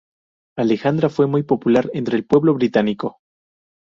Alejandra fue muy popular entre el pueblo británico.